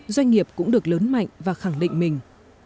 doanh nghiệp cũng được lớn mạnh và khẳng định mình